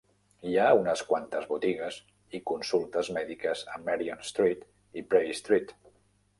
Hi ha unes quantes botigues i consultes mèdiques a Marion Street i Bray Street.